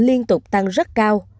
liên tục tăng rất cao